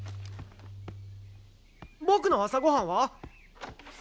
僕の朝ごはんは？